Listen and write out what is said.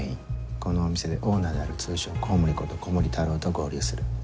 このお店でオーナーである通称「コウモリ」こと古森太郎と合流する。